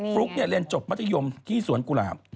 ฟลุ๊กเรียนจบมัธยมที่สวนกุหลาบ